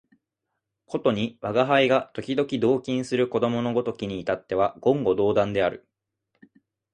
ことに吾輩が時々同衾する子供のごときに至っては言語道断である